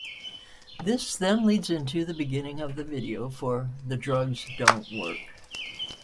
This then leads into the beginning of the video for "The Drugs Don't Work".